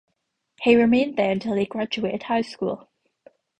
He remained there until he graduated high school.